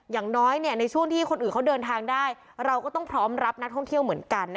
อย่างน้อยในช่วงที่คนอื่นเขาเดินทางได้เราก็ต้องพร้อมรับนักท่องเที่ยวเหมือนกัน